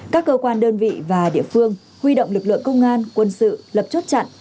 các cơ quan đơn vị và địa phương huy động lực lượng công an quân sự lập chốt chặn